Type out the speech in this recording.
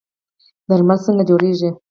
درمل څنګه جوړیږي؟